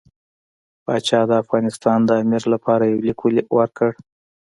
پاشا د افغانستان د امیر لپاره یو لیک ورکړ.